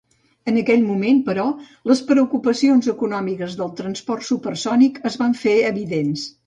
En aquell moment, però, les preocupacions econòmiques del transport supersònic es van fer evidents.